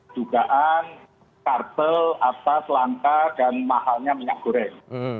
dugaan kartel atas langka dan mahalnya minyak goreng